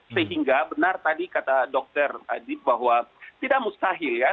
sehingga benar tadi kata dokter adib bahwa tidak mustahil ya